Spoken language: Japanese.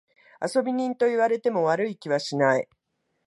遊び人と言われても悪い気はしない。